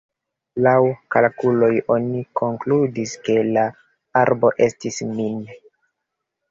Laŭ kalkuloj, oni konkludis, ke la arbo estis min.